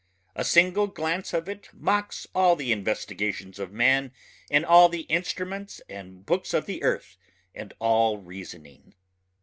A single glance of it mocks all the investigations of man and all the instruments and books of the earth and all reasoning.